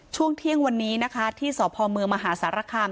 ช่วงเที่ยงวันนี้นะคะที่สพเมืองมหาสารคาม